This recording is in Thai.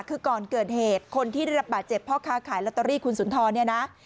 คือก่อนเกิดเหตุคนที่ได้รับบาดเจ็บพ่อค้าขายลอตเตอรี่คุณสุนทรเนี่ยนะ